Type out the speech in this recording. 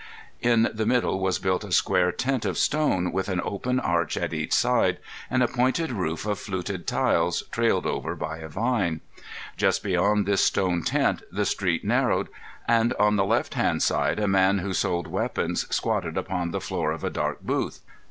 In the middle was built a square tent of stone with an open arch at each side and a pointed roof of fluted tiles trailed over by a vine. Just beyond this stone tent the street narrowed, and on the left hand side a man who sold weapons squatted upon the floor of a dark booth.